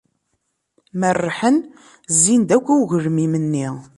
Merrḥen, zzin-d akk i ugelmim-nni.